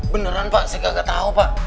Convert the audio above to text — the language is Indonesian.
beneran pak saya gak tau pak